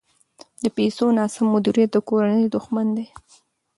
د پیسو ناسم مدیریت د کورنۍ دښمن دی.